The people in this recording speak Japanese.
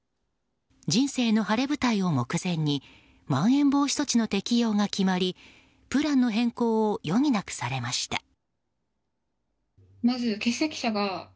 人生の晴れ舞台を目前にまん延防止措置の適用が決まりプランの変更を余儀なくされました。